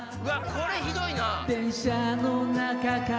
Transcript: これひどいな！